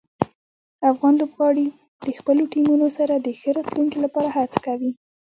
افغان لوبغاړي د خپلو ټیمونو سره د ښه راتلونکي لپاره هڅه کوي.